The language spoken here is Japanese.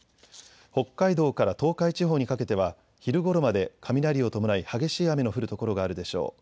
北海道から東海地方にかけては、昼ごろまで雷を伴い、激しい雨の降る所があるでしょう。